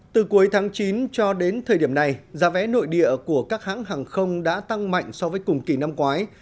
từ cuối tháng chín cho đến thời điểm này giá vé nội địa của các hãng hàng không đã tăng mạnh so với cùng kỳ năm ngoái